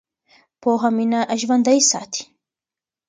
پوهه مینه ژوندۍ ساتي.